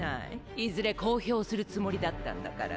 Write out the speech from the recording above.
いずれ公表するつもりだったんだから。